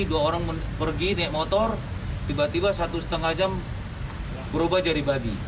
dua orang pergi naik motor tiba tiba satu setengah jam berubah jadi babi